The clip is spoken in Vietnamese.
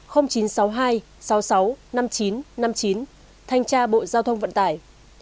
chín trăm sáu mươi hai sáu mươi sáu năm mươi chín năm mươi chín thanh tra bộ giao thông vận tải